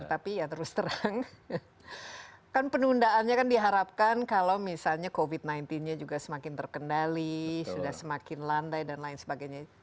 tapi ya terus terang kan penundaannya kan diharapkan kalau misalnya covid sembilan belas nya juga semakin terkendali sudah semakin landai dan lain sebagainya